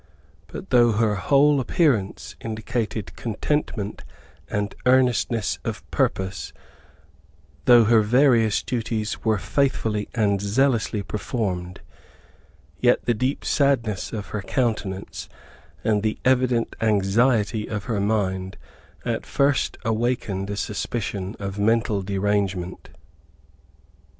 But though her whole appearance indicated contentment and earnestness of purpose, though her various duties were faithfully and zealously performed, yet the deep sadness of her countenance, and the evident anxiety of her mind at first awakened a suspicion of mental derangement.